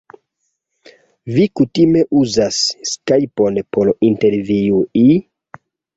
Vi kutime uzas skajpon por intervjui...?